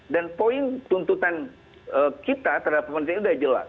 dan poin tuntutan kita terhadap kebangsaan itu sudah jelas